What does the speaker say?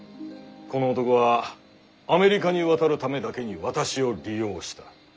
この男はアメリカに渡るためだけに私を利用した。